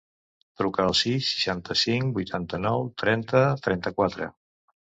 Truca al sis, seixanta-cinc, vuitanta-nou, trenta, trenta-quatre.